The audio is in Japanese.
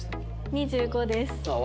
２５です。